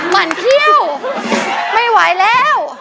ไม่ไหวแล้ว